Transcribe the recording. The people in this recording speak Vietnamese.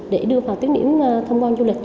để đưa vào tiếng điểm thông quan du lịch